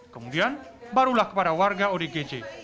kemudian barulah kepada warga odgj